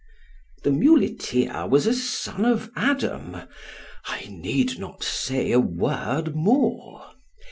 —The muleteer was a son of Adam, I need not say a word more.